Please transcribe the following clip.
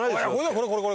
これこれこれ！